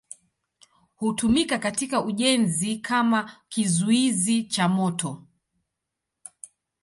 Hutumika katika ujenzi kama kizuizi cha moto.